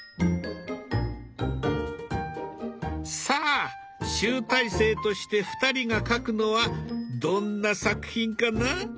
さあ集大成として２人が描くのはどんな作品かな？